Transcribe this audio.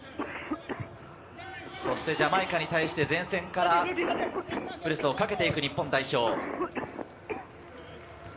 そしてジャマイカに対して前線からプレスをかけて行く日本代表。